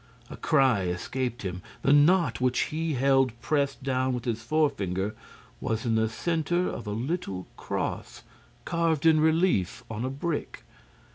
A cry escaped him. The knot, which he held pressed down with his fore finger, was in the centre of a little cross carved in relief on a brick.